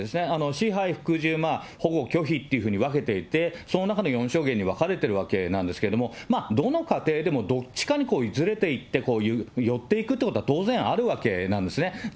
支配、複縦、保護、拒否っていうふうに分けていて、その中の４しょうげんに分かれているわけなんですけれども、まあ、どの家庭でもどっちかにずれていって、寄っていくというのは当然あるわけなんですね。